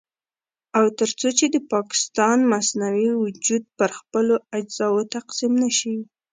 او تر څو چې د پاکستان مصنوعي وجود پر خپلو اجزاوو تقسيم نه شي.